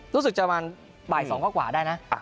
รู้สึกจะประมาณบ่าย๒กว่าได้นะ